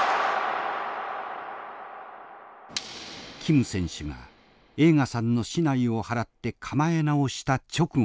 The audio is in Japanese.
キム選手が栄花さんの竹刀を払って構え直した直後でした。